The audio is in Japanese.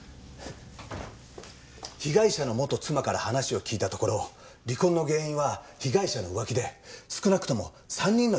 被害者の元妻から話を聞いたところ離婚の原因は被害者の浮気で少なくとも３人の女性の名前が挙がりました。